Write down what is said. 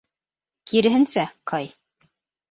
Киреһенсә, Кай.